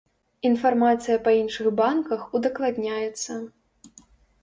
Інфармацыя па іншых банках удакладняецца.